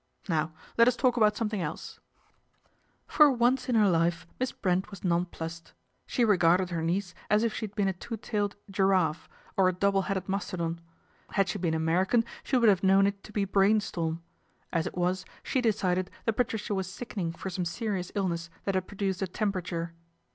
Now let us talk about something else." 244 PATRICIA BRENT, SPINSTER For once in her life Miss Brent was nonplussed. She regarded her niece as if she had been a two tailed giraffe, or a double headed mastodon. Had she been American she would have known it to be brain storm ; as it was she decided that Patricia was sickening for some serious illness that had produced a temperature.